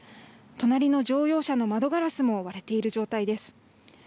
隣の乗用車の窓ガラスも割れている状態です。